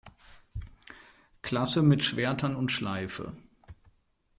Klasse mit Schwertern und Schleife.